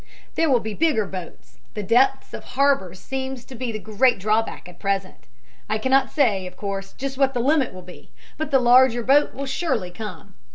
There will be bigger boats. The depth of harbors seems to be the great drawback at present. I cannot say, of course, just what the limit will be, but the larger boat will surely come.